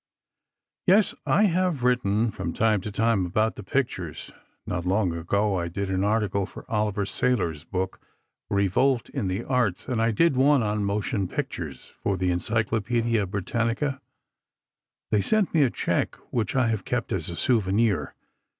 "Yes, I have written, from time to time, about the pictures. Not long ago I did an article for Oliver Sayler's book, 'Revolt in the Arts,' and I did one on 'Motion Pictures,' for the Encyclopaedia Britannica. They sent me a check, which I have kept as a souvenir.